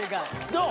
どう？